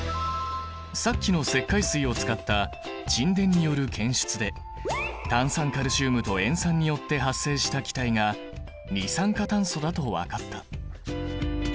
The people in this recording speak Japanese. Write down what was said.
さっきの石灰水を使った沈殿による検出で炭酸カルシウムと塩酸によって発生した気体が二酸化炭素だと分かった。